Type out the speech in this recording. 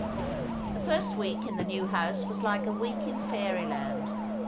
The first week in the new house was like a week in fairyland.